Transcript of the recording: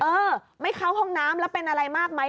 เออไม่เข้าห้องน้ำแล้วเป็นอะไรมากไหม